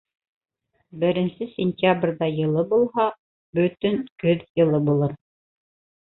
Беренсе сентябрҙә йылы булһа, бөтөн көҙ йылы булыр